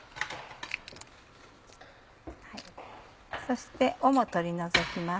そして尾も取り除きます。